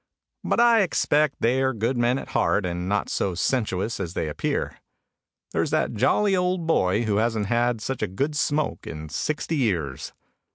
But I expect they are good men at heart and not so sensuous as they appear. There's that jolly old boy who hasn't had such a good smoke in sixty years.